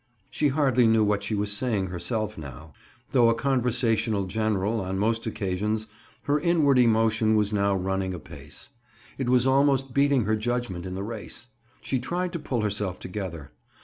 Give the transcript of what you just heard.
She hardly knew what she was saying herself now. Though a conversational general, on most occasions, her inward emotion was now running apace. It was almost beating her judgment in the race. She tried to pull herself together.